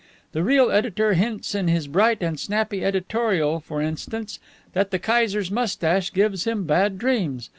The real editor hints in his bright and snappy editorial, for instance, that the Kaiser's mustache gives him bad dreams.